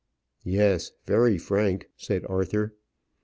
"Yes, very frank," said Arthur.